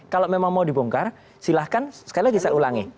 kalau memang mau dibongkar silahkan sekali lagi saya ulangi